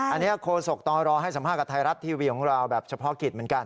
อันนี้โคศกตรให้สัมภาษณ์กับไทยรัฐทีวีของเราแบบเฉพาะกิจเหมือนกัน